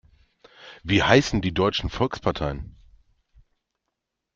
Wie heißen die deutschen Volksparteien?